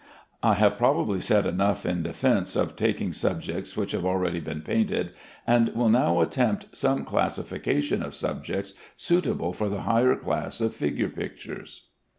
I have probably said enough in defence of taking subjects which have already been painted, and will now attempt some classification of subjects suitable for the higher class of figure pictures.